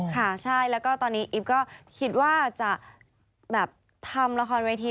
ค่ะใช่แล้วก็ตอนนี้อิ๊บก็คิดว่าจะแบบทำละครเวที